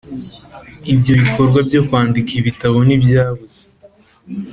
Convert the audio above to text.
ibyo bikorwa byo kwandika ibitabo ntibyabuze